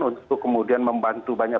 untuk kemudian membantu banyak